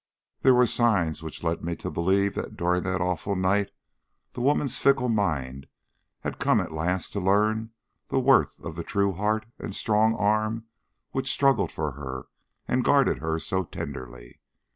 There were signs which led me to believe that during that awful night the woman's fickle mind had come at last to learn the worth of the true heart and strong arm which struggled for her and guarded her so tenderly.